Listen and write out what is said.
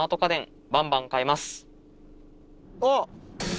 あっ！